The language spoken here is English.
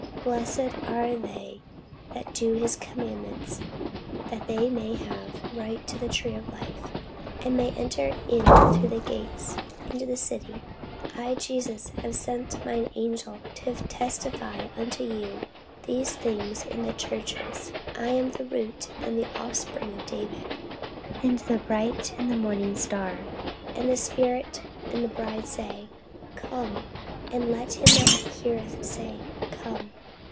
Blessed are they that do his commandments, that they may have right to the tree of life, and may enter in through the gates into the city. I Jesus have sent mine angel to testify unto you these things in the churches. I am the root and the offspring of David, and the bright and morning star. And the Spirit and the bride say, Come. And let him that heareth say, Come.